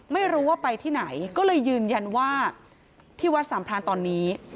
ไม่รู้ว่าไปที่ไหนก็เลยยืนยันว่าที่วัดสามพรานตอนนี้